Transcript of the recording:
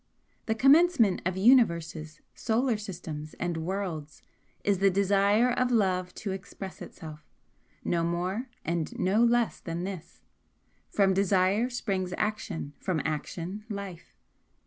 The commencement of universes, solar systems and worlds is the desire of Love to express Itself. No more and no less than this. From desire springs action, from action life.